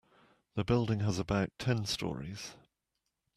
This building has about ten storeys.